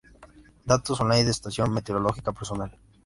Datos online de estación meteorológica personal.